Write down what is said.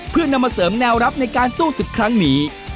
เพื่อนำมาเสริมแนวรับในการสู้ศึกครั้งนี้